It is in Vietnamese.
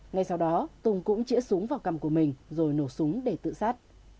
ngay sau đó tùng cũng chĩa súng vào cầm của mình rồi nổ súng để tự sát